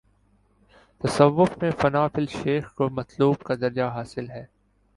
تصوف میں فنا فی الشیخ کو مطلوب کا درجہ حا صل ہے۔